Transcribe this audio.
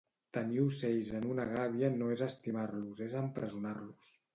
Tenir ocells en una gàbia no és estimar-los és empresonar-los